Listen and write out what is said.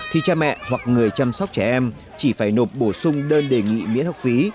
thì cha mẹ hoặc người chăm sóc trẻ em chỉ phải nộp bổ sung đơn đề nghị miễn học phí